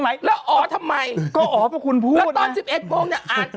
ไม่แล้วอ๋อทำไมก็อ๋อเพราะคุณพูดแล้วตอน๑๑โมงเนี่ย